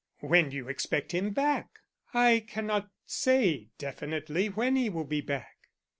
"When do you expect him back?" "I cannot say definitely when he will be back."